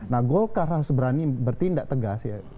nah golkar harus berani bertindak tegas ya